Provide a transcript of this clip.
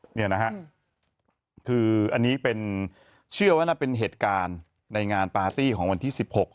นี่นะฮะคืออันนี้เป็นเชื่อว่าน่าเป็นเหตุการณ์ในงานปาร์ตี้ของวันที่๑๖